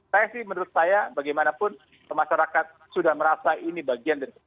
saya sih menurut saya bagaimanapun masyarakat sudah merasa ini bagian dari